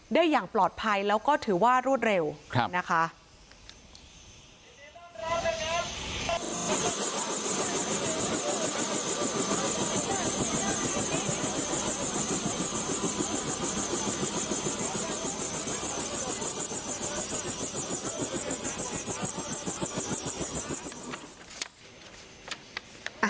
อย่างปลอดภัยแล้วก็ถือว่ารวดเร็วนะคะ